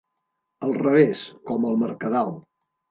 Al revés, com al Mercadal.